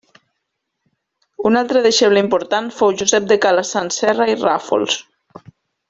Un altre deixeble important fou Josep de Calassanç Serra i Ràfols.